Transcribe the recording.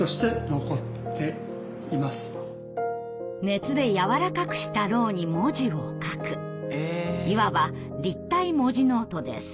熱でやわらかくした蝋に文字を書くいわば立体文字ノートです。